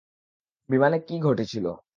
বিমানে কী ঘটেছিল?